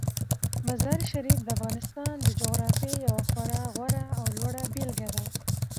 مزارشریف د افغانستان د جغرافیې یوه خورا غوره او لوړه بېلګه ده.